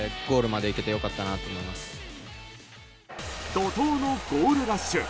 怒濤のゴールラッシュ。